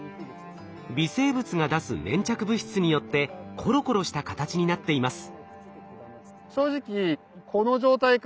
微生物が出す粘着物質によってコロコロした形になっています。